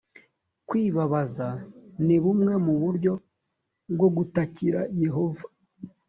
kwibabaza ni bumwe mu buryo bwo gutakira yehova